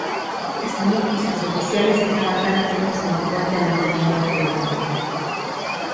Smith y sus oficiales estaban atentos en el puente a las maniobras del barco.